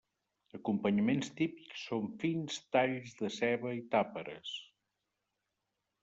Acompanyaments típics són fins talls de ceba i tàperes.